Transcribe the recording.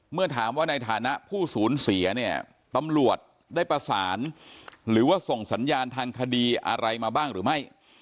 เมื่อถามว่าในฐานะผู้สูญเสียเนี่ยตำรวจได้ประสานหรือว่าส่งสัญญาณทางคดีอะไรมาบ้างหรือไม่